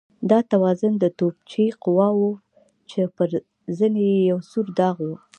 دا تورن د توپچي قواوو و چې پر زنې یې یو سور داغ و.